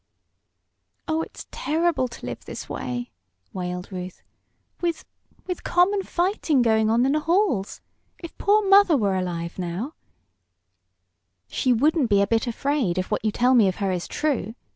"Oh, it's terrible to live this way!" wailed Ruth. "With with common fighting going on in the halls! If poor mother were alive now " "She wouldn't be a bit afraid, if what you tell me of her is true!"